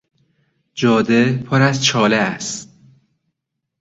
جاده پر از چاله است.